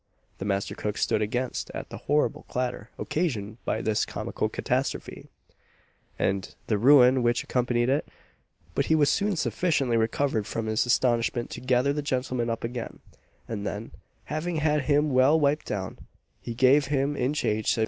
] The master cook stood aghast at the horrible clatter occasioned by this comical catastrophe, and the ruin which accompanied it; but he was soon sufficiently recovered from his astonishment to gather the gentleman up again; and then, having had him well wiped down, he gave him in charge to a constable.